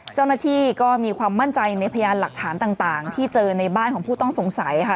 เจ้าหน้าที่ก็มีความมั่นใจในพยานหลักฐานต่างที่เจอในบ้านของผู้ต้องสงสัยค่ะ